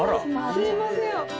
すいません。